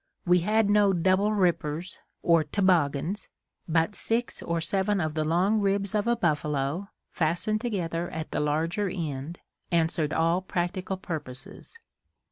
We had no "double rippers" or toboggans, but six or seven of the long ribs of a buffalo, fastened together at the larger end, answered all practical purposes.